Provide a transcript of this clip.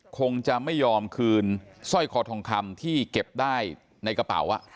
คงจะไม่ยอมคืนสร้อยคอทองคำที่เก็บได้ในกระเป๋า